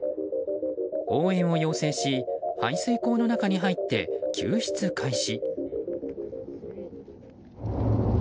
応援を要請し排水溝の中に入って救出開始。